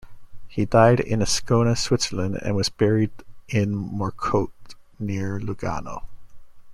He died in Ascona, Switzerland, and was buried in Morcote near Lugano.